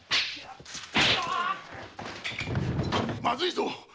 まずいぞ！